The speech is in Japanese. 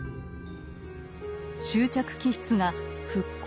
執着気質が復興